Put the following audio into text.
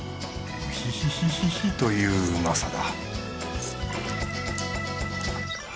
ヒヒヒヒヒといううまさだ